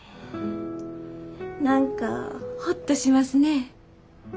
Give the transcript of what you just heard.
何かホッとしますね。